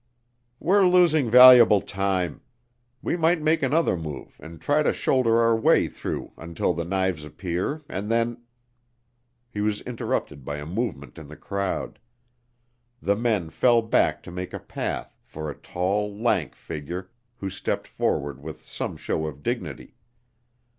"We're losing valuable time. We might make another move and try to shoulder our way through until the knives appear and then " He was interrupted by a movement in the crowd. The men fell back to make a path for a tall, lank figure who stepped forward with some show of dignity.